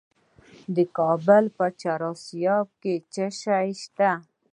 د کابل په چهار اسیاب کې څه شی شته؟